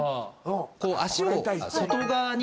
こう足を外側に。